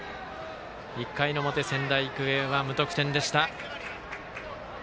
１回の表、仙台育英は無得点でした。